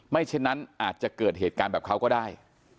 ฉะนั้นอาจจะเกิดเหตุการณ์แบบเขาก็ได้